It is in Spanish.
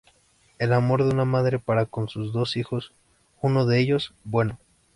El amor de una madre para con sus dos hijos, uno de ellos, bueno.